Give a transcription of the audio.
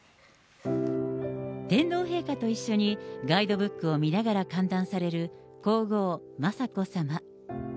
天皇陛下と一緒に、ガイドブックを見ながら歓談される、皇后雅子さま。